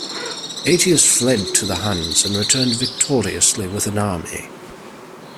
Aetius fled to the Huns and returned victoriously with an army.